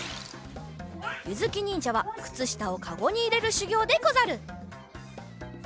ゆづきにんじゃはくつしたをかごにいれるしゅぎょうでござる。